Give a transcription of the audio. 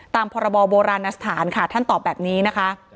พรบโบราณสถานค่ะท่านตอบแบบนี้นะคะ